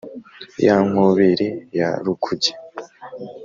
ya nkubiri ya rukuge